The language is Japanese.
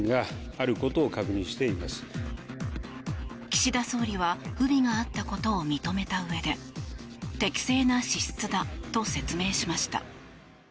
岸田総理は不備があったことを認めたうえで適正な支出だと説明しました。